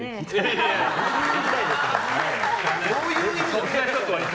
どういう意味の？